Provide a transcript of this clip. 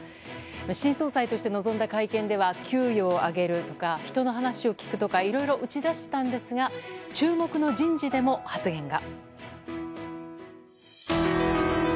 新総裁として臨んだ会見では給与を上げるとか人の話を聞くとかいろいろ打ち出したんですが注目の人事でも発言が。